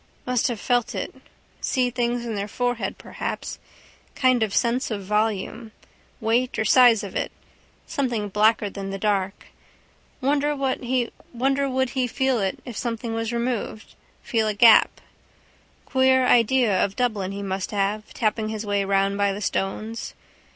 Must have felt it. See things in their forehead perhaps: kind of sense of volume. Weight or size of it, something blacker than the dark. Wonder would he feel it if something was removed. Feel a gap. Queer idea of Dublin he must have, tapping his way round by the stones.